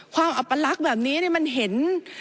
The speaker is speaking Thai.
ความอัปลักษณ์แบบนี้เนี่ยมันเห็น